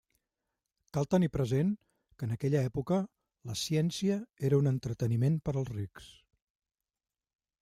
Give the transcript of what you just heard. Cal tenir present que en aquella època la ciència era un entreteniment per als rics.